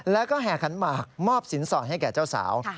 แล้วก็แห่ขันหมากมอบสินสอดให้แก่เจ้าสาว